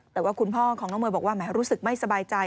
แต่ว่าคุณพ่อของน้องเมย์บอกว่าแหมรู้สึกไม่สบายใจ